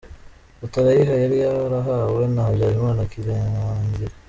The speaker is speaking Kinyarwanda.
Gatarayiha yari yarahawe na Habyarimana kirangire.